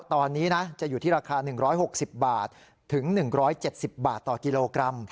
ตอนนี้นะจะอยู่ที่ราคา๑๖๐บาทถึง๑๗๐บาทต่อกิโลกรัม